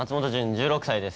１６歳です